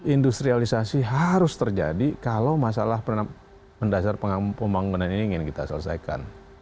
industrialisasi harus terjadi kalau masalah mendasar pembangunan ini ingin kita selesaikan